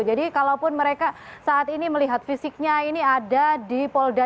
jadi kalaupun mereka saat ini melihat fisiknya ini ada di polda